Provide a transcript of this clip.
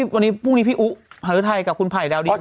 วันนี้พรุ่งนี้พี่อุ๊ะหรือไทยกับคุณภัยดาวดินมา